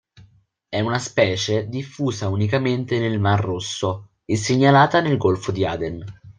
È una specie diffusa unicamente nel Mar Rosso e segnalata nel Golfo di Aden.